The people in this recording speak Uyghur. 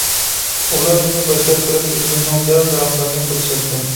ئۇلار مېنى باشلاپ بېرىپ ئۆزلىرىنىڭ دەل-دەرەخلىرىنى كۆرسەتتى.